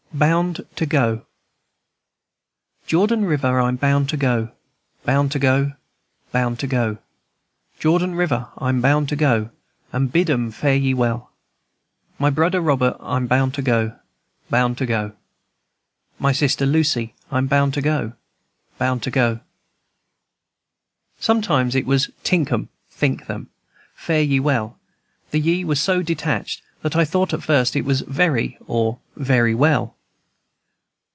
BOUND TO GO. "Jordan River, I'm bound to go, Bound to go, bound to go, Jordan River, I'm bound to go, And bid 'em fare ye well. "My Brudder Robert, I'm bound to go, Bound to go," &c. "My Sister Lucy, I'm bound to go, Bound to go," &c. Sometimes it was "tink 'em" (think them) "fare ye well." The ye was so detached that I thought at first it was "very" or "vary well."